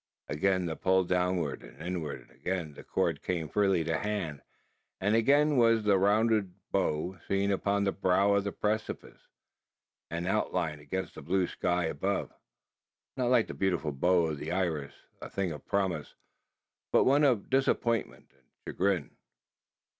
Again the pull downward and inward again the cord came freely to hand and again was the rounded bow seen upon the brow of the precipice, and outlined against the blue sky above; not like the beautiful bow of the iris a thing of promise but one of disappointment and chagrin.